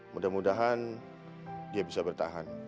mudah mudahan dia bisa bertahan